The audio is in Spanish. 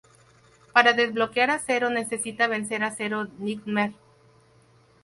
Para desbloquear a Zero necesitas vencer a Zero Nightmare.